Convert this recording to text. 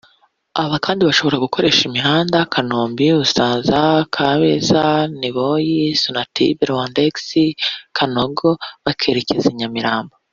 Aba kandi bashobora gukoresha imihanda Kanombe – Busanza – Kabeza – Niboye –Sonatube – Rwandex – Kanogo - bakerekeza i Nyamirambo